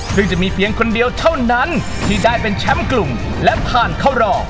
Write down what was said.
ซึ่งจะมีเพียงคนเดียวเท่านั้นที่ได้เป็นแชมป์กลุ่มและผ่านเข้ารอ